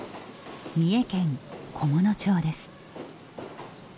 三重県菰野町です。